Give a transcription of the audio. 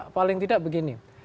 paling tidak begini